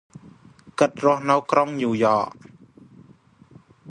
គាត់រស់នៅក្រុងញូវយ៉ក ។